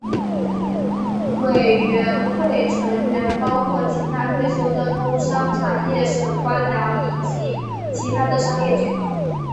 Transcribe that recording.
委员会成员包括其它退休的通商产业省官僚以及其它的商业巨头。